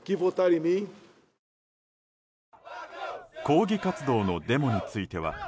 抗議活動のデモについては。